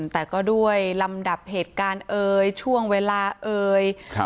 แต่ก็ด้วยลำดับเหตุการณ์เอ่ยช่วงเวลาเอ่ยครับ